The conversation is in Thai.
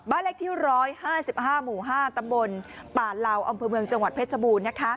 บ้านเลขที่๑๕๕หมู่๕ตำบลป่าเหล่าอำเภอเมืองจังหวัดเพชรบูรณ์